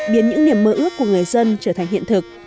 biến những niềm mơ ước của người dân trở thành hiện thực